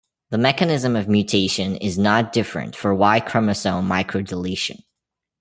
The mechanism of mutation is not different for Y-chromosome microdeletion.